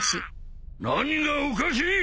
何がおかしい！？